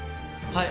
はい。